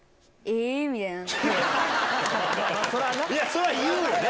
そりゃ言うよね！